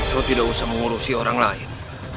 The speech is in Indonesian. kau tidak perlu mengurusi orang lain